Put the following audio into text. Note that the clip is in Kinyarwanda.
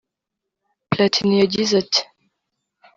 Platini yagize ati